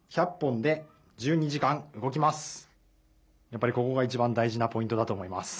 やっぱりここが一ばん大じなポイントだとおもいます。